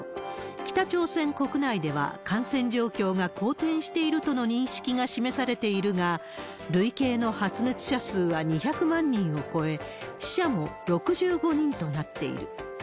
北朝鮮国内では、感染状況が好転しているとの認識が示されているが、累計の発熱者数は２００万人を超え、死者も６５人となっている。